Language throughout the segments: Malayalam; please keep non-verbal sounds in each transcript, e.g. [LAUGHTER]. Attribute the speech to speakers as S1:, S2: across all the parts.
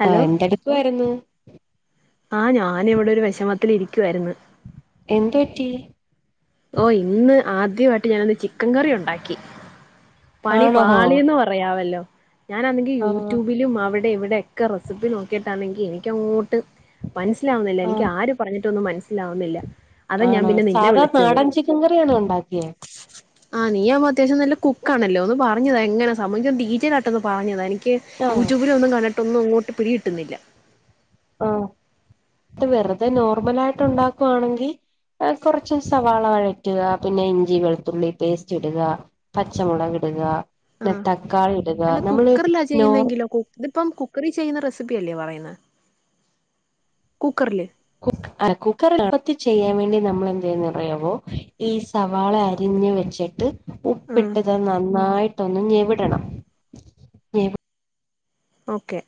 S1: ഹലോ
S2: ആഹ് എന്ത് എടുക്കുവാ യിരുന്നു
S1: ആഹ് ഞാന് ഇവിടെ ഒരു വിഷമത്തില് ഇരിക്കുവായിരുന്നു
S2: എന്തു പറ്റി
S1: ഓ ഇന്ന് ആദ്യമായിട്ട് ഞാനൊന്ന് ചിക്കൻ കറി ഉണ്ടാക്കി പണി
S2: ആണോ ഹോ
S1: പാളിയന്ന് പറ പറയാവല്ലോ ഞാനാണെങ്കിൽ
S2: ആഹ്
S1: യൂട്യൂബിലും അവി ഇവിടെ ഒക്കെ റെസിപ്പി നോക്കിട്ടാണെങ്കിൽ എനിക്ക്ങ്ങോട്ട് മനസ്സിലാവുന്നില്ല എനിക്ക്
S2: ആഹ്
S1: ആരും പറഞ്ഞിട്ടൊന്നും മനസ്സിലാവുന്നില്ല അതാ ഞാൻ
S2: ആണോ
S1: പിന്നെ നിന്നെ
S2: സാധാ
S1: വിളിച്ച
S2: നാടൻ ചിക്കൻ കറിയണോ ഉണ്ടാക്കിയേ
S1: ആഹ് നീ ആവുമ്പോഅത്യാവശ്യം നല്ല കുക്ക് ആണല്ലോ ഒന്ന് പറഞ്ഞത എങ്ങനെ സംബവിക്കൻ ഡീറ്റെയിൽ ആട്ട് ഒന്ന് പറഞ്ഞതാ എനിക്ക്
S2: ആഹ്
S1: യൂട്യൂബിലൊന്നും കണ്ടിട്ടൊന്നും അങ്ങോട്ട് പിടി കിട്ടുന്നില്ല
S2: ആഹ് ഇത് വെറുതെ നോർമലായിട്ട് ഉണ്ടാക്കുവാണെങ്കി ആഹ് കൊറച്ച് സവാള വഴറ്റുക പിന്നെ ഇഞ്ചി വെളുത്തുള്ളി പേസ്റ്റ് ഇട്ക പച്ചമുളക് ഇട്ക
S1: ആ
S2: പിന്ന തക്കാളി ഇട്ക
S1: അല്ല
S2: നമ്മള്
S1: കുക്കറിലാ
S2: നോർ
S1: ചെയ്യുന്നെങ്കിലോ കു- ഇതിപ്പം കുക്കറി ചെയ്യുന്ന റെസിപ്പി അല്ലേ പറയുന്നേ കുക്കർല്
S2: കുക്ക്‌ ആ കുക്കറിലെള്പ്പത്തി ചെയ്യാൻ വേണ്ടി നമ്മളെന്തെയ്യൊന്നറിയാവോ ഈ സവാള അരിഞ്ഞ് വെ ച്ചിട്ട്
S1: ആഹ്
S2: ഉപ്പിട്ട്ത് നന്നായിട്ടൊന്ന് ഞെവിടണം ഞെവി
S1: ഓക്കെ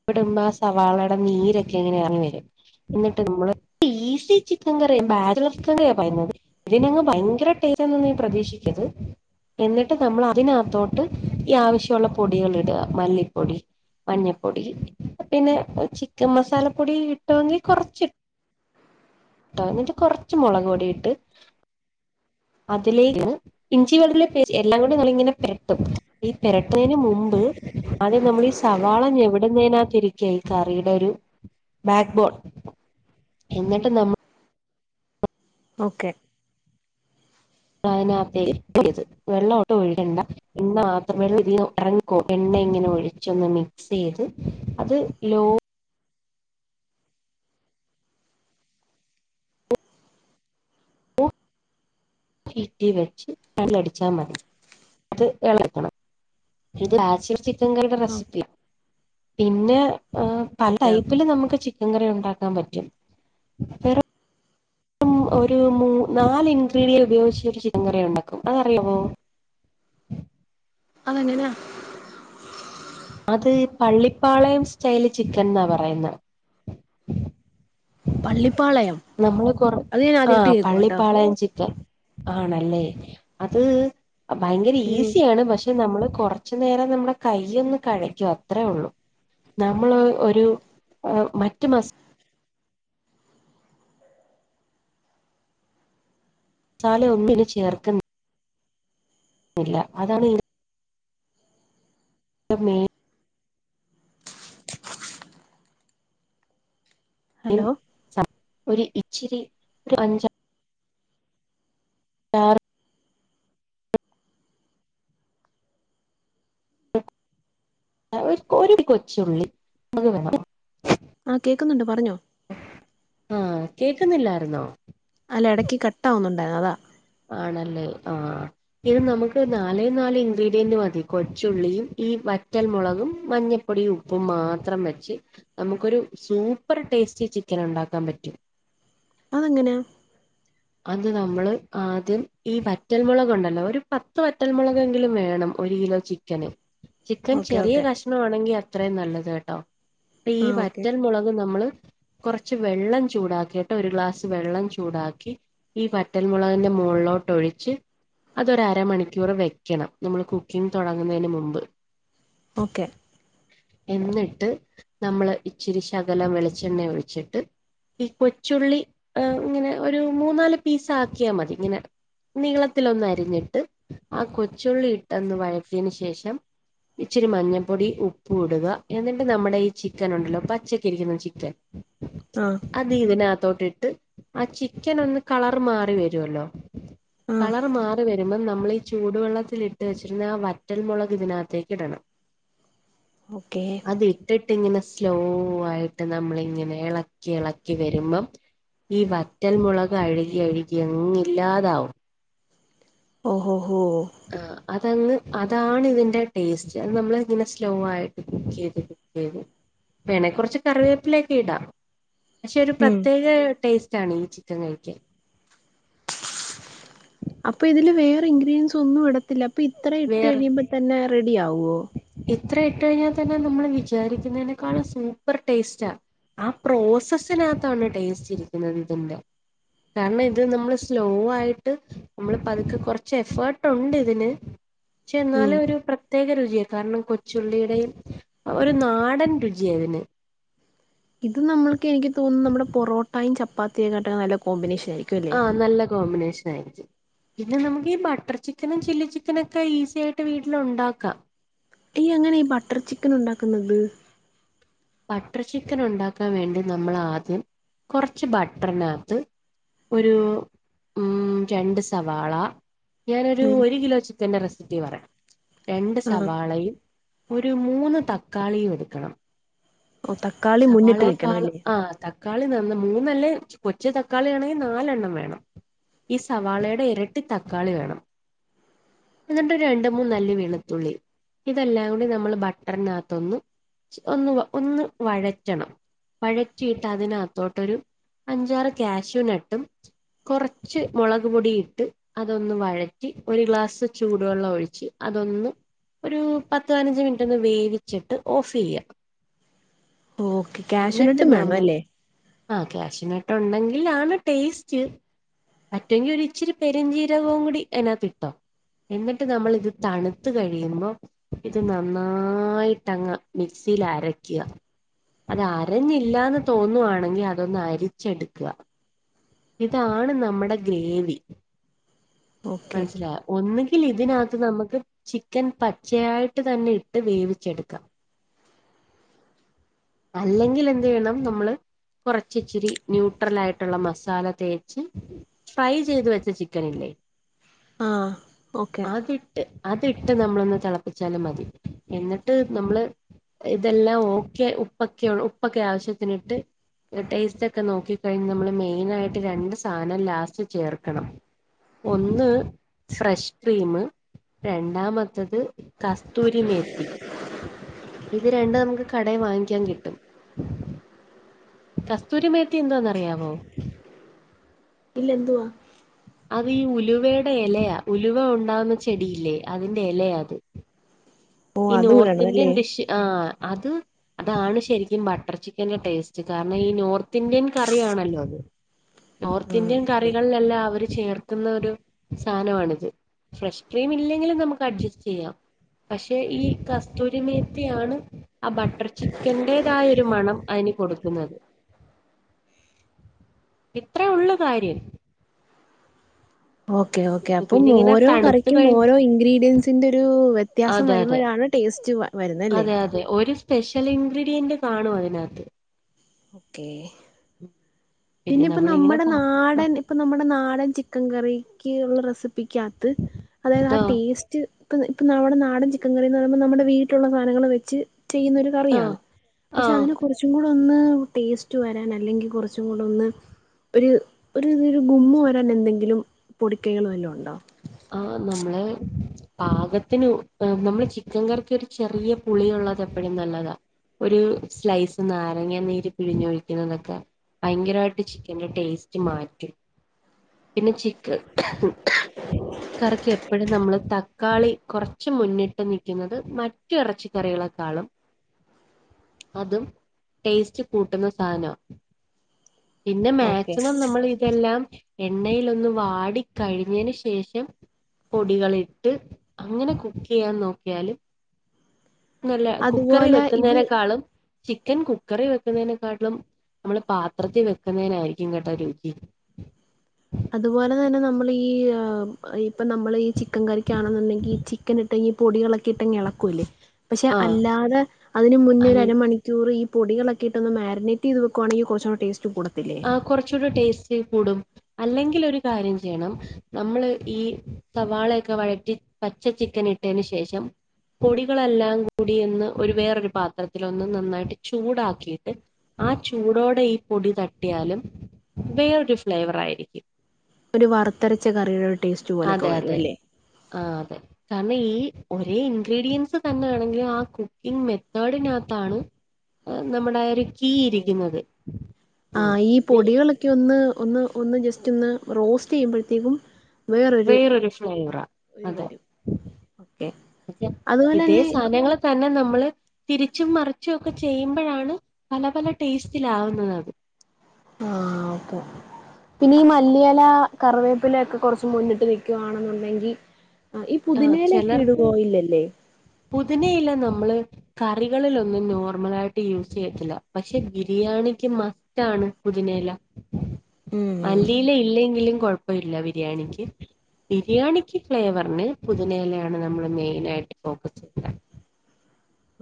S2: ഉപ്പിടുമ്പോ ആ സവാളേടെ നീരൊക്കെ ഇങ്ങനെ എറങ്ങി വരും. എന്നിട്ട് നമ്മള് ഈസി ചിക്കൻ കറിയ ബാഡ്ലസ് ചിക്കൻ കറിയാ പറയുന്നത് ഇതിനങ്ങ് ഭയങ്കര ടേസ്റ്റാന്ന് നീ പ്രതീക്ഷിക്കര്ത് എന്നിട്ട് നമ്മള് അതിനകത്തോട്ട് ഈ ആവശ്യോള്ള പൊടികള് ഇട മല്ലിപ്പൊടി മഞ്ഞ പൊടി പിന്നെ ചിക്കൻ മസാല പൊടി കിട്ടോങ്കി കൊറച്ച് ഇട്ട എന്നിട്ട് കൊർച്ച് മുളക് പൊടി ഇട്ട് അതിലേക്ക് ഇഞ്ചി വെളുത്തുള്ളി പേസ്റ്റ് എല്ലാം കൂടി നല്ലേ ഇങ്ങനെ പെരട്ടും ഈ പെരട്ടണേന് മുമ്പ് അദ്യം നമ്മളീ സവാള ഞെവടി എന്നതിനാ ത്തിരിക്ക ഈ കറീടെ ഒരു ബാക്ക്ബോൺ എന്നിട്ട് നമ്മള്
S1: ഓക്കെ
S2: അതിനകത്തേക്ക് ഒഴിക്കരുത് വെള്ളോട്ടും ഒഴിക്കണ്ട എണ്ണ മാത്രം വെള്ളതീന്ന് എറ ക്കോ എണ്ണ ഇങ്ങനെ ഒഴിച്ചൊന്ന് മിക്സീത് അത് ലോ കേറ്റി വെച്ച് രണ്ട് അ ടിച്ചാ മതി അത് എളക്കണം [UNINTELLIGIBLE] ങ്കൽടെ
S1: ഓക്കെ
S2: റെസിപ്പിയാ. പിന്നെ ഏഹ് പല
S1: ഓക്കെ ഓക്കെ
S2: ടൈപ്പില് നമുക്ക് ചെ ചിക്കൻ കറി ഉണ്ടാക്കാൻ പറ്റും. വേറെ ഉം ഒരൂ മൂ നാല് ഇൻഗ്രീഡിയൻ ഉപയോഗിച്ച് ഒരു ചിക്കൻകറിയൊണ്ടാക്കും. അതറിയാവോ?
S1: അതെങ്ങനാ?
S2: അത് പള്ളിപ്പാളയം സ്റ്റൈല് ചിക്കൻന്നാ പറയുന്നേ.
S1: പള്ളിപ്പാളയം
S2: നമ്മള് കൊർ
S1: അത് ഞാൻ ആദ്യമായിട്ട്
S2: ആഹ്
S1: കേക്കുവാട്ടോ
S2: പള്ളിപ്പാളയം ചിക്കൻ. ആണല്ലേ? അത് ഭയങ്കര ഈസിയാണ് പക്ഷെ നമ്മള് കൊറ ച്ച് നേരം നമ്മ്ടെ കയ്യൊന്ന് കഴക്കും അത്രേള്ളൂ. നമ്മള് ഒരു ഏഹ് മറ്റുമസാ മസാല ഒന്നും ചേർക്കു ന്നില്ല അതാണ് ഈ തിന്റെ മെയിൻ യ്ൻ
S1: ഹലോ
S2: സംഭവം ഒരു ഇച്ചിരി ഒരു അഞ്ചാ [UNINTELLIGIBLE] ആഹ് ഒരു കൊച്ചുള്ളി നമുക്ക് വേണം.
S1: ആ കേക്കുന്നുണ്ട് പറഞ്ഞോ.
S2: ആഹ് കേക്ക്‌ന്നില്ലായിരുന്നോ?
S1: അല്ല എടയ്ക്ക് കട്ടാവുന്നുണ്ടായിരുന്നു അതാണ്.
S2: ആണല്ലേ? ആഹ്. ഇത് നമുക്ക് നാലേ നാല് ഇൻഗ്രീഡിയന്റ് മതി കൊച്ചുള്ളിയും ഈ വറ്റൽമുളകും മഞ്ഞ പൊടിയും ഉപ്പും മാത്രം വെച്ച് നമുക്കൊരു സൂപ്പർ ടേസ്റ്റി ചിക്കനൊണ്ടാക്കാൻ പറ്റും.
S1: അതെങ്ങനാ?
S2: അത് നമ്മള് ആദ്യം ഈ വറ്റൽമുളകൊണ്ടല്ലോ ഒരു പത്ത് വറ്റൽ മുുളകെങ്കിലും വേണം. ഒരു കിലോ ചിക്കന്. ചിക്കൻ
S1: ഓക്കെ
S2: ചെറിയ
S1: ഓക്കെ
S2: കഷ്ണണെങ്കി അത്രയും നല്ലത് കെട്ടോ. ഇപ്പീ
S1: ആഹ് ഓക്കെ
S2: വറ്റൽ മുളക് നമ്മള് കൊറച്ച് വെള്ളം ചൂടാക്കീട്ട് ഒരു ഗ്ലാസ് വെള്ളം ചൂടാക്കി ഈ വറ്റൽമുളകിന്റെ മോളിലോട്ട് ഒഴിച്ച് അതൊരമണിക്കൂറ് വെക്കണം നമ്മൾ കുക്കിംഗ് തുടങ്ങുന്നതിന് മുമ്പ്
S1: ഓക്കെ
S2: എന്നിട്ട് നമ്മള് ഇച്ചിരി ശകലം വെളിച്ചെണ്ണ ഒഴിച്ചിട്ട് ഈ കൊച്ചുള്ളി ഇങ്ങനെ ഒരു മൂന്നാല് പീസ് ആക്കിയാ മതി ഇങ്ങനെ നീളത്തിലൊന്ന് അരിഞ്ഞിട്ട് ആ കൊച്ചുള്ളി ഇട്ട്ന്ന് വഴറ്റിയെന്ശേഷം ഇച്ചിരി മഞ്ഞൾപ്പൊടി ഉപ്പ് ഇടുക എന്നിട്ടണ്ട് നമ്മുടെ ഈ ചിക്കൻ ഉണ്ടല്ലോ പച്ചക്ക ഇരിക്കുന്ന ചിക്കൻ
S1: ആഹ
S2: അത് ഇതിനകത്തോട്ട്ആ ചിക്കൻ ഒന്ന് കളർ മാറി വരുവല്ലോ
S1: ആഹ്
S2: കളർ മാറി വരൂ പ്പോ നമ്മൾഈ ചൂടുവെള്ളത്തില്ട്ട് വെച്ചിരുന്ന ആ വറ്റൽമുളക് ഇതിനകത്തേക്ക് ഇടണം
S1: ഓക്കെ
S2: അത് ഇട്ടിട്ട്ങ്ങനെ സ്ലോ ആയിട്ട് നമ്മളിങ്ങനെ ഇളക്കി ഇളക്കി വരുമ്പം ഈ വറ്റൽ മുളക് അഴുകി അഴുകി അങ്ങ ഇല്ലാതാവും
S1: ഓഹോഹോ
S2: ആ അതങ്ങ് അതാണ് ഇതിന്റെ ടേസ്റ്റ് അത് നമ്മൾ ഇങ്ങനെ സ്ലോ ആയിട്ട് കുക്ക് ചെയ്ത വേണെക്കുറച്ച് കറിവേപ്പിലൊക്കെ ഇടാം പക്ഷെ ഒരു
S1: ഉം
S2: പ്രത്യേക ടേസ്റ്റ് ആണ് ഈ ചിക്കൻ കഴിക്കാൻ
S1: അപ്പൊ ഇതില് വേറെ ഇൻഗ്രീഡിയൻസ് ഒന്നും ഇട ത്തില്ല അപ്പൊ ഇത്ര ഇട്ട് കഴിയുമ്പോ തന്നെ റെഡി ആവുവോ
S2: എത്ര ഇട്ട കഴിഞ്ഞാൽ തന്നെ നമ്മൾ വിചാരിക്കുന്നതിനേക്കാളും സൂപ്പർ ടേസ്റ്റ ആ പ്രോസസ്സിനകത്താണ് ടേസ്റ്റ് ഇരിക്കുന്നത് ഇതിന്റെ കാരണം ഇത്
S1: ഓക്കെ
S2: നമ്മള് സ്ലോ ആയിട്ട് നമ്മൾ പതുക്കെ കൊറച്ച് എഫേർട്ട് ഉണ്ട് ഇതിന് പക്ഷെ എന്നാല്
S1: ഉം
S2: ഒരു പ്രത്യേക രുചിയാണ് കാരണം കൊച്ചുള്ളിയുടെയും ഒരു നാടൻ രുചിയായതിന്
S1: ഇത് നമ്മൾക്ക് എനിക്ക് തോന്നുന്നു നമ്മുടെ പൊറോട്ടയും ചപ്പാത്തിയയുംക്കെ കേട്ടെെ നല്ല കോമ്പിനേഷൻ ആയിരിക്കും അല്ലേ
S2: ആഹ നല്ല കോമ്പിനേഷൻ പിന്നെ നമുക്ക് ഈ ബട്ടർ ചിക്കനും ചില്ലി ചിക്കനൊക്കെ ഈസി ആയിട്ട് വീട്ടിൽ ഉണ്ടാക്കാം
S1: ഈ എങ്ങനെ ഈ ബട്ടർ ചിക്കൻ ഉണ്ടാക്കുന്നത്
S2: ബട്ടർ ചിക്കൻ ഉണ്ടാക്കാൻ വേണ്ടി നമ്മൾ ആദ്യം കുറച്ച് ബട്ടർനകത്ത് ഒരു ഉ രണ്ട് സവാള ഞാനൊ ഒരു
S1: ഉം
S2: ഒരു കിലോ ചിക്കൻന്റെ റെസിപ്പി പറയാ രണ്ട്
S1: ആഹ്
S2: സവാളയും ഒരു മൂന്ന് തക്കാളിയ എടുക്കണം
S1: ഓ താ
S2: സവാളെക്കാളും ആഹാ ത തക്കാളി നന്ന മൂന്നല്ലേ കൊച്ച തക്കാളി ആണെങ്കിൽ നാലെണ്ണം വേണം ഈ സവാളയുടെ ഇരട്ടി തക്കാളി വേണം എന്നിട്ടരു രണ്ട് മൂന്ന അല്ലിവേളുത്തുള്ളി ഇതെല്ലാം കൂടി നമ്മൾ ബട്ടറിനകത്തൊന്ന് ഒന്ന് ഒന്ന് വഴറ്റണം വഴറ്റിയിട്ട് അതിനകത്തോട്ടൊരു അഞ്ചാറ് കാക്ഷ്യു നട്ടും കുറച്ച് മുളക് പൊടി ഇട്ട് അതൊന്ന് വഴറ്റി ഒരു ഗ്ലാസ് ചൂടുവെള്ളം ഒഴിച്ച് അതൊന്ന് ഒരു പത്ത് പതിനഞ്ച് മിനിറ്റ് ഒന്ന് വേവിച്ചിട്ട് ഓഫ് ചെയ്യാം
S1: ഓ ഓക്കെ ക്യാഷ്ണാട്ടും വേണ അല്ലേ
S2: ആ ക്യാഷ്നെറ്റ് ഉണ്ടെങ്കിൽ ആണ് ടേസ്റ്റ് പറ്റുമെങ്കിൽ ഒരി ഇച്ചിരി പെരുഞ്ചീരകവും കൂടി അതിനകത്ത് ഇട്ടോ എന്നിട്ട് നമ്മള്ത് തണുത്ത് കഴിയുമ്പോ ഇത് നന്നായിട്ടങ്ങ് മിക്സിൽ അര ക്യാ അത് അരഞ്ഞില്ലന്ന് തോന്നുവാണെങ്കിൽ അതൊന്ന് അരിച്ചെടുക്ക ഇതാണ് നമ്മുടെ ഗ്രേവി
S1: ഓക്കെ
S2: മനസ്സിലയോ ഒന്നുകിൽ ഇതിനകത്ത് നമുക്ക് ചിക്കൻ പച്ചയായിട്ട് തന്നെ ഇട്ട് വേവിച്ചെടുക്കാം [INAUDIBLE] അല്ലെങ്കിൽ എന്ത് വേണം നമ്മള് കൊറച്ച് ഇച്ചിരി ന്യൂട്രൽ ആയിട്ടുള്ള മസ മസാല തേച്ച് ഫ്രൈ ചെയ്ത് വെച്ച ചിക്കനില്ലേ
S1: ആഹ് ഓക്കെ
S2: അത് അതിട്ട് നമ്മളൊന്ന് തിളപ്പിച്ചാലും മതി എന്നിട്ട് നമ്മള് ഇതെല്ലാം ഓക്കെ ഉപ്പക്കെ ഉപ്പൊക്കെ ആവശ്യത്തിന്ട്ട് ടേസ്റ്റ് ഒക്കെ നോക്കി കഴിഞ്ഞ് നമ്മള് മെയിൻ ആയിട്ട് രണ്ട് സാധനം ലാസ്റ്റ് ചേർക്കണം ഒന്ന് ഫ്രഷ് ക്രീം രണ്ടാമത്തത് കസ്തൂരിമേത്തി ഇത് രണ്ട് നമുക്ക് കടയിൽ വാങ്ങിക്കാൻ കിട്ടും കസ്തൂരിമേത്തി എന്താന്ന് അറിയാമോ
S1: ഇല്ല എന്തുവാ
S2: അത് ഈ ഉലുവയുടെ ഇലയാ ഉലുവ ഉണ്ടാവുന്ന ചെടിയില്ലേ അതിന്റെ ഇലയാത്
S1: ഓ
S2: ഈ
S1: അതും
S2: നോർത്ത്
S1: ഇടണം
S2: ഇന്ത്യൻ
S1: അല്ലേ
S2: ഡിഷ് ആഹ് അത് അതാണ് ശരിക്കും ബട്ടർ ചിക്കന്റെ ടേസ്റ്റ് കാരണം ഈ നോർത്ത് ഇന്ത്യൻ കറിആണല്ലോ അത് നോർത്ത്
S1: ആഹ്
S2: ഇന്ത്യൻ
S1: ഓക്കെ
S2: കറികളിലെല്ലാം അവര് ചേർക്കുന്ന ഒരു സാധനമാണിത് ഫ്രഷ് ക്രീം ഇല്ലെങ്കിലും നമുക്ക് അഡ്ജസ്റ്റ് ചെയ്യാം പക്ഷെ ഈ കസ്തൂരിമേത്തിയാണ് ആ ബട്ടർ ചിക്കന്റെ തായ ഒരു മണം അതിന് കൊടുക്കുന്നത് ഇത്ര ഉള്ളു കാര്യം
S1: ഓക്കേ ഓക്കേ
S2: ഇത്
S1: അപ്പം
S2: പിന്നെ ഇങ്ങനെ
S1: ഓരോ
S2: തണുത്ത്
S1: കറിക്കും
S2: കഴി
S1: ഓരോ ഇൻഗ്രീഡിയൻസിന്റെ ഒരു വ്യത്യാസം
S2: അതെ അതെ
S1: വരുമ്പോഴാണ് ടേസ്റ്റ് വരുന്ന അല്ലേ
S2: അതെ അതെ ഒരു സ്പെഷ്യൽ ഇൻഗ്രീഡിയന്റ് കാണും അതിനകത്ത്
S1: ഓക്കേ പിന്നെ ഇപ്പ
S2: നമ്മളിങ്ങനെ
S1: നമ്മുടെ
S2: പോ- ആ
S1: നാടൻ ഇപ്പ നമ്മുടെ നാടൻ ചിക്കൻ കറിക്ക് ഉള്ള റെസിപ്പിക്കകത്ത് അതായത് ആ ടേസ്റ്റ് റ്റ് ഇപ്പ നമ്മുടെ നാടൻ ചിക്കൻ കറി എന്ന് പറയ്പോൾ നമ്മുടെ വീട്ടിലുള്ള സാധങ്ങൾ വെച്ച് ചെയ്യുന്നൊരു
S2: ആ
S1: കറിയാണ് പക്ഷെ
S2: ആഹ്
S1: അതിന് കുറച്ചും കൂടെ ഒന്ന് ടേസ്റ്റ് വരാൻ അല്ലെങ്കിൽ കുറച്ചും കൂടെ ഒന്ന് ഒരു ഒരു ഒരു ഗുമ്മ് വരാൻ എന്തെങ്കിലും പൊടിക്കകൾ വല്ലാം ഉണ്ടോ
S2: ആഹ് നമ്മള് പാകത്തിന് ഉ നമ്മള് ചിക്കൻ കറിക്ക് ഒരു ചെറിയ പുളിയുള്ളത് എപ്പോഴും നല്ലതാ ഒരു സ്ലൈസ് നാരങ്ങ നീര് പിഴിഞ്ഞ് ഒഴിക്കുന്നതൊക്കെ ഭയങ്കരമായിട്ട് ചിക്കന്റെ ടേസ്റ്റ് മാറ്റും പിന്നെ ചിക്ക്
S1: [INAUDIBLE]
S2: കറിക്ക് എപ്പോഴും നമ്മൾ തക്കാളി കുറച്ച് മുന്നിട്ട് നിൽക്കുന്നത് മറ്റു ഇറച്ചിക്കറികളെക്കാളും അതും ടേസ്റ്റ് കൂട്ടുന്ന സാധനവാ പിന്നെ
S1: ഓക്കെ
S2: മാക്സിമം നമ്മള് ഇതെല്ലാം എണ്ണയിൽ ഒന്ന് വാടി കഴിഞ്ഞതിന് ശേഷം ശേഷം പൊടികളിട്ട് അങ്ങനെ കുക്ക് ചെയ്യാൻ നോക്കിയാല് നല്ല കുക്കറി
S1: അതുപോലെ ഇത്
S2: വെക്കുന്നേക്കാളും ചിക്കൻ കുക്കറിൽ വെക്കുന്നതിനെക്കാട്ടിലും നമ്മള് പാത്രത്തിൽ വെക്കുന്നതിനായിരിക്കും കേട്ട രുചി [INAUDIBLE]
S1: അതുപോലെ തന്നെ നമ്മൾ ഈ ഇപ്പ നമ്മൾ ഈ ച്ചിക് ചിക്കൻ കറിക്കാണെന്നുണ്ടെങ്കിൽ ചിക്കൻ ഇട്ടെങ്കി പൊടികളൊക്കെ ഇട്ടെങ്കി ഇളക്കൂലേ പക്ഷെ
S2: ആഹ്
S1: അല്ലാതെ അതിന് മുന്നേ
S2: അൽ
S1: ഒരു അരണിക്കൂർ ഈ പൊടികളൊക്കെഇട്ട് ഒന്ന് മാരനേറ്റ് ചെയ്ത് വെക്കുവാണെങ്കിൽ കുറച്ചൂ കൂടി ടേസ്റ്റ് കൂടത്തില്ലേ
S2: കുറച്ചുകൂടി ടേസ്റ്റ് കൂടും അല്ലെങ്കിൽ ഒരു കാര്യം ചെയ്യണം നമ്മള് ഈ സവാളയൊക്കെ വഴറ്റി പച്ച ചിക്കൻ ഇട്ടതിന് ശേഷം പൊടികളെല്ലാം കൂടി ഒന്ന് ഒരു വേറോരു പാത്രത്തിൽ ഒന്ന് നന്നായിട്ട് ചൂടാക്കിയിട്ട് ആഹ് ചൂടോടെ ഈ പൊടി തട്ടിയാലും വേറൊരു ഫ്ലേവർ ആയിരിക്കും
S1: ഒരു വറുത്തരച്ച കറിടെ ഒരു ടേ
S2: അതെ അതെ ആഹ് അതെ കാരണം ഈ ഒരേ ഇൻഗ്രീഡിയൻസ് തന്നെ ആണെങ്കിലിൽ ആ കുക്കിംഗ മെത്തേഡിനകത്താണ് നമ്മുടെ ആ ഒരു കീ ഇരിക്കുന്നത് ഇത്
S1: ക്കെ ഒന്ന് ഒന്ന് ഒന്ന് ജസ്റ്റ് ഒന്ന് റോസ്റ്റ് ചെയ്യുമ്പോഴത്തേക്കും
S2: വേറൊരു ഫ്ലോവറാ
S1: ഇത്
S2: അതെ
S1: വരും ഓക്കെ
S2: പക്ഷേ
S1: അതുപോലെ
S2: ഇതേ
S1: തന്നെ
S2: സാമയങ്ങള് തന്നെ നമ്മള് തിരിച്ചും മറിച്ചും ഒക്കെ ചെയ്യുമ്പോഴാണ് പല പല ടേസ്റ്റിലവുന്നത് അത്
S1: ആഹ് ഓകേ പിന്നെ ഈ മല്ലിയെല കറിവേപ്പില ഒക്കെ കുറച്ച് മുന്നിട്ട് നിൽക്കുകയാണെന്നുണ്ടെങ്കി ആ ഈ
S2: ആഹ്
S1: പുതിനേലക്കെ
S2: ചിലർക്ക്
S1: ഇടുവോ ഇല്ലല്ലേ?
S2: പുതിനയില നമ്മള് കറികളിലൊന്നും നോർമലായിട്ട് യൂസ് ചെയ്യത്തില്ല പക്ഷെ ബിരിയാണിക്ക് മസ് റ്റാണ് പുതിനേല
S1: ഉം
S2: മല്ലിയില ഇല്ലെങ്കിലും കുഴപ് പ്പ ഇല്ല ബിരിയാണിക്ക് ബിരിയാണിക്ക് ഫ്ലേവറിന് പുതുനേലയാണ് നമ്മള് മെയിന ആയിട്ട് പോക്കസ്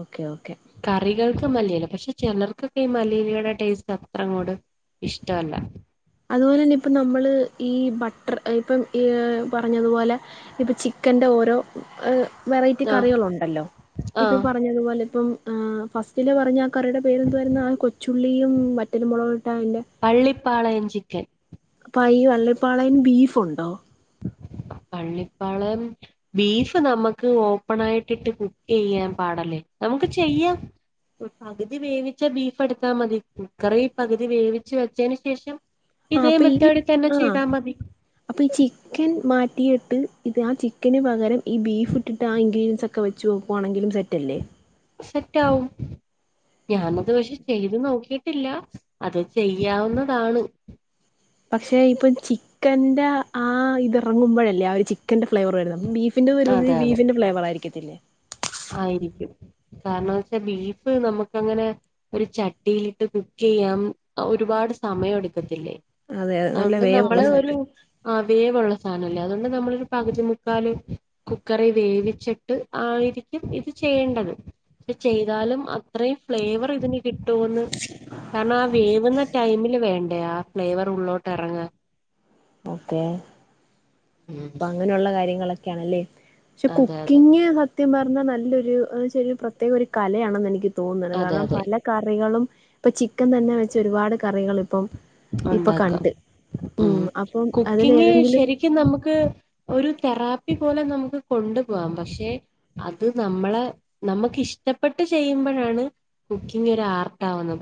S1: ഓക്കെ ഓക്കെ
S2: കറികൾക്ക് മല്ലില പക്ഷെ ചിലർക്കൊക്കെ ഈ മല്ലീലയുടെ ടേസ്റ്റ് അത്രങ്ങോട്ട്‌ ഇഷ്ട അല്ല
S1: അതുപോലെ തന്നെ ഇപ്പ നമ്മള് ഈ ബട്ടർ ഇപ്പം ഈ പറഞ്ഞതുപോലെ ഇപ്പൊ ചിക്കന്റെ ഓരോ വെറൈറ്റി
S2: ആഹ്
S1: കറികൾ ഉണ്ടല്ലോ ഇപ്പൊ
S2: ആഹ്
S1: പറഞ്ഞതുപോലെ ഇപ്പം ആഹ് ഫസ്റ്റില് പറഞ്ഞ ആ കറിയുടെ പേരെന്ത വരുന്ന ആ കൊച്ചുള്ളിയും മറ്റല മുളക് ഇട്ടാ അതിൻ്റെ
S2: പള്ളിപ്പളയം ചിക്കൻ
S1: അപ്പ ഈ വള്ളിപ്പാളയം ബീഫുണ്ടോ
S2: പള്ളിപ്പാളയം ബീഫ് നമുക്ക് ഓപ്പൺ ആയിട്ടിട്ട് കുക്ക് ചെയ്യാൻ പാടല്ലേ നമുക്ക് ചെയ്യാം പകുതി വേവിച്ച ബീഫ് എടുത്താ മതി കുക്കറി പകുതി വേവിച്ച് വെച്ചതിന് ശേഷം
S1: ആഹ്
S2: ഇതേ
S1: അപ്പൊ ഈ
S2: മെത്തേടി തന്നെ
S1: ആഹ്
S2: ചെയ്താൽ മതി
S1: അപ്പൊ ഈ ചിക്കൻ മാറ്റിയിട്ട് ഇത് ആഹ് ചിക്കന് പകരം ഈ ബീഫ് ഇട്ടിട്ട് ആ ഇൺഗ്രിയൻസൊ ക്കെ വെച്ചുക്കുവാണെങ്കിലും സെറ്റല്ലേ
S2: സെറ്റവും ഞാനത് പക്ഷെ ചെയ്ത് നോക്കിട്ടില്ല അത് ചെയ്യാവുന്നതാണ്.
S1: പക്ഷെ ഇപ്പം ചിക്കന്റെ ആഹ് ഇത് ഇറങ്ങുമ്പോഴല്ലേ ആഹ് ഒരു ചിക്കന്റെ ഫ്ലേവർ വരുന്നു ബീഫ്- ഫിന്റെ വേർന്നത്
S2: അതെ അതെ
S1: ബീഫിന്റെ ഫ്ലേവർആയിരിക്കത്തില്ലേ
S2: ആയിരിക്കും കാരണംന്നച്ചാ ബീഫ് നമുക്ക് അങ്ങനെ ഒരു ചട്ടിയിലിട്ട് കുക്ക് ചെയ്യാൻ ഒരുപാട് സമയം എടുക്കത്തില്ലേ
S1: അതെ അതെ നല്ല
S2: അതൊണ്ട്
S1: വേവുള്ള
S2: നമ്മള് ഒരു
S1: സാധനം
S2: അതേപോലുള്ള സാനല്ലേ അതുകൊണ്ട് നമ്മളൊരു പകുതി മുക്കാല് കുക്കറി വേവിച്ചിട്ട് ആയിരിക്ക ക്കും ഇത് ചെയ്യേണ്ടത് പക്ഷെ ചെയ്താലും അത്രയും ഫ്ലേവർ ഇതിൻ കിട്ടൂന്ന് കാരണം ആഹ് വേവുന്ന ടൈമില് വേണ്ടേ ആ ഫ്ലേവർ ഉള്ളോട്ട് അറങ്ങ
S1: ഓക്കെ
S2: ഉം
S1: അപ്പൊ അങ്ങനെയുള്ള കാര്യങ്ങളൊക്കെയാണല്ലേ പക്ഷെ
S2: അതെ അതെ
S1: കുക്കിങ്ങ് സ ത്യം പർന്ന നല്ലൊരു ചെ പ്രത്യേക ഒരു കലയാണെന്ന് എനിക്ക് തോന്നുന്നത്
S2: അതെ
S1: കാരണം
S2: അതെ
S1: പല- കറികളും ഇപ്പൊ ചിക്കൻ തന്നെ വെച്ച് ഒരുപാട് കറികളിപ്പം ഇപ്പൊ
S2: ഉണ്ടാക്കാം
S1: കണ്ട് ഉം അപ്പം അതിലേതെങ്കിലും
S2: ക് നമുക്ക് ഒരു തെറാപ്പി പോലെ നമുക്ക് കൊണ്ടു പോകാം പക്ഷെ അത് നമ്മളെ നമ്മക്ക് ഇഷ്ടപ്പെട്ട് ചെയ്യുമ്പഴാണ് കുക്കിംങ്ങ് ഒരു ആർട്ട് ആവുന്നത്